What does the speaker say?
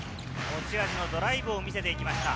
持ち味のドライブを見せていきました。